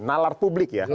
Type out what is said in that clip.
nalar publik ya